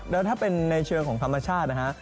แล้วถ้าเป็นในเชิงของธรรมชาตินะฮะ